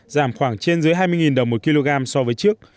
giảm khoảng trên dưới hai mươi đồng một kg so với trước